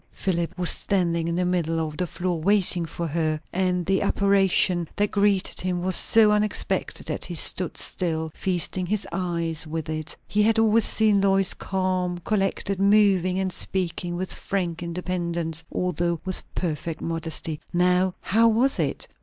Philip was standing in the middle of the floor, waiting for her; and the apparition that greeted him was so unexpected that he stood still, feasting his eyes with it. He had always seen Lois calm, collected, moving and speaking with frank independence, although with perfect modesty. Now? how was it?